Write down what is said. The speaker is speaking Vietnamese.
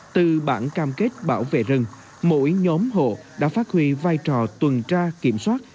từ bản cam kết bảo vệ rừng mỗi nhóm hộ đã phát huy vai trò tuần tra kiểm soát